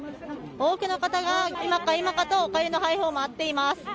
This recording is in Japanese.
多くの方が今か今かとおかゆの配布を待っています。